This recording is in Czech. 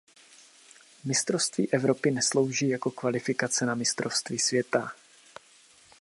Mistrovství Evropy neslouží jako kvalifikace na Mistrovství světa.